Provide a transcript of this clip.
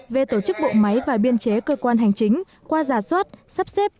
về tổ chức bộ máy và biên chế cơ quan hành chính qua giả soát sắp xếp